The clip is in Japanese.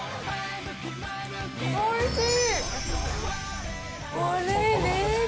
おいしい！